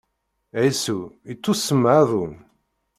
Ɛisu, ittusemma Adum.